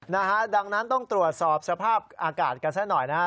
นะฮะดังนั้นต้องตรวจสอบสภาพอากาศกันซะหน่อยนะฮะ